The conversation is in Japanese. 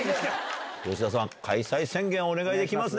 吉田さん、開催宣言をお願い